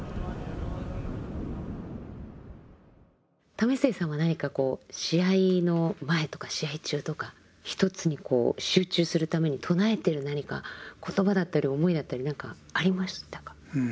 為末さんは何かこう試合の前とか試合中とか一つに集中するために唱えてる何か言葉だったり思いだったり何かありましたか？